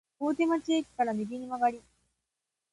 大手町駅から右に曲がり、